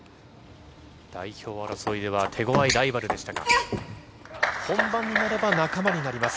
代表争いでは手ごわいライバルでしたが本番になれば仲間になります。